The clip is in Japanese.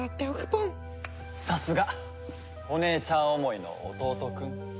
さすがお姉ちゃん思いの弟くん。